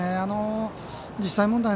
実際問題